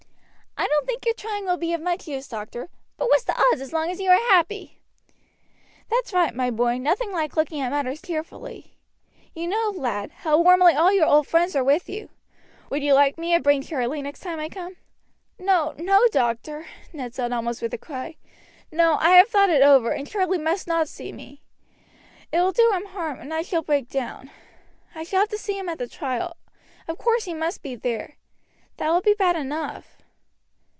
"I don't think your trying will be of much use, doctor; but what's the odds as long as you are happy!" "That's right, my boy, nothing like looking at matters cheerfully. You know, lad, how warmly all your old friends are with you. Would you like me to bring Charlie next time I come?" "No, no, doctor," Ned said almost with a cry. "No. I have thought it over, and Charlie must not see me. It will do him harm and I shall break down. I shall have to see him at the trial of course he must be there that will be bad enough."